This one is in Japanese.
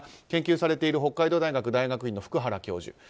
研究されている北海道大学大学院の福原教授